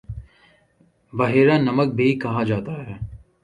بحیرہ نمک بھی کہا جاتا ہے